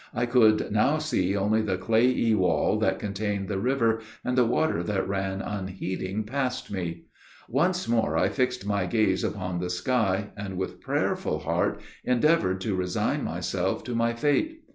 I could now see only the clayey wall that contained the river, and the water that ran unheeding past me. Once more I fixed my gaze upon the sky, and, with prayerful heart, endeavored to resign myself to my fate.